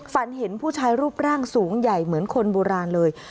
เห็นผู้ชายรูปร่างสูงใหญ่เหมือนคนโบราณเลย